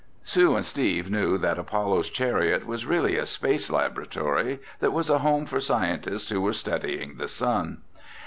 Sue and Steve knew that Apollo's Chariot was really a space laboratory that was a home for scientists who were studying the sun.